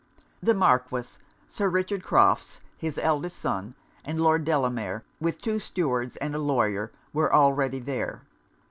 The Marquis, Sir Richard Crofts, his eldest son, and Lord Delamere, with two stewards and a lawyer, were already there.